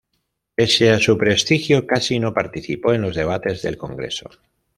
Pese a su prestigio, casi no participó en los debates del Congreso.